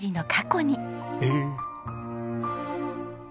へえ。